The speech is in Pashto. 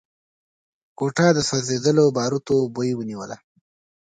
کوټه د سوځېدلو باروتو بوی ونيوله.